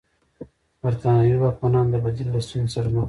برېټانوي واکمنان د بدیل له ستونزې سره مخ وو.